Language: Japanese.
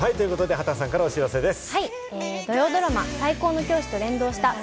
畑さんからお知らせです。